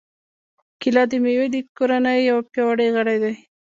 کېله د مېوې د کورنۍ یو پیاوړی غړی دی.